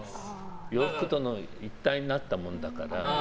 洋服と一体になったものだから。